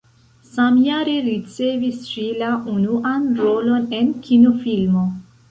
Samjare ricevis ŝi la unuan rolon en kinofilmo.